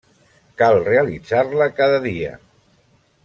Cal realitzar-la cada dia.